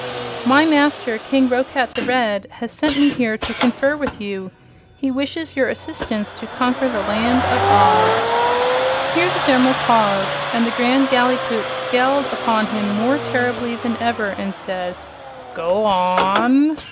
"My master, King Roquat the Red, has sent me here to confer with you. He wishes your assistance to conquer the Land of Oz." Here the General paused, and the Grand Gallipoot scowled upon him more terribly than ever and said: "Go on!"